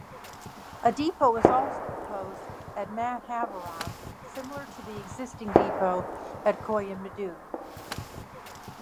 A depot is also proposed at Madhavaram similar to the existing depot at Koyambedu.